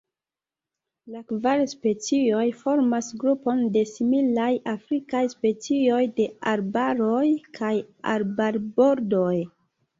La kvar specioj formas grupon de similaj afrikaj specioj de arbaroj kaj arbarbordoj.